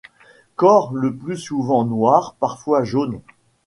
Corps le plus souvent noir, parfois jaune.